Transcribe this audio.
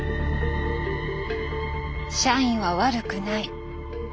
「社員は悪くない」。